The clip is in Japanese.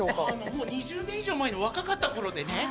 もう２０年以上前の若かったころでね。